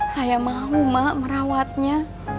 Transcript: saya mau mak merawatnya